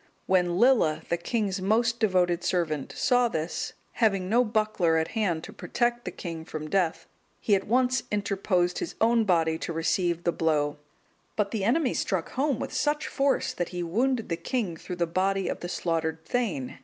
When Lilla, the king's most devoted servant, saw this, having no buckler at hand to protect the king from death, he at once interposed his own body to receive the blow; but the enemy struck home with such force, that he wounded the king through the body of the slaughtered thegn.